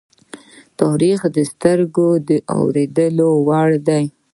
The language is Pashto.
تاریخ د سترگو د اوریدو وړ دی.